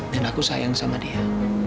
dan aku sayang sama dia